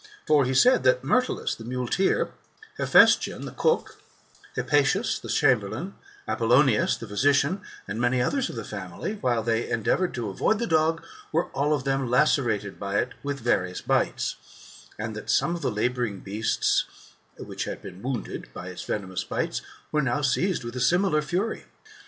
For he said, that Myrtilus, the muleteer, Hephaestion, the cook, Hypatius, the chamberlain, ApoUonius, the physician, and many others of the family, while they endeavoured to avoid the dog, were all of them lacerated by it, with various bites ; and that some of the labouring beasts, which had been wounded by its venomous bites, were now seized with a similar fury.